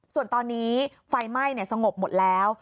ส่วนตอนนี้ไฟไหม้สงบหมดแล้ว